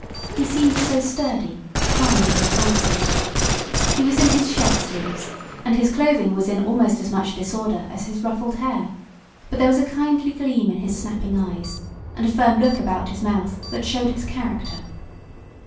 He seemed so sturdy, kind and wholesome. He was in his shirt sleeves, and his clothing was in almost as much disorder as his ruffled hair. But there was a kindly gleam in his snapping eyes, and a firm look about his mouth that showed his character.